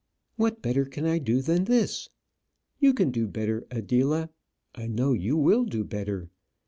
What better can I do than this? You can do better, Adela. I know you will do better.